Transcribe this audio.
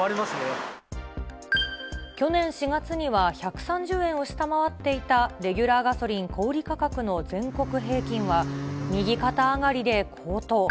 去年４月には、１３０円を下回っていたレギュラーガソリン小売り価格の全国平均は、右肩上がりで高騰。